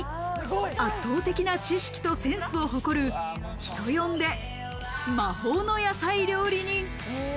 圧倒的な知識とセンスを誇る人呼んで魔法の野菜料理人。